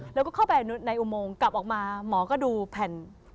แล้วก็เข้าไปในอุโมงกลับออกมาหมอก็ดูแผ่น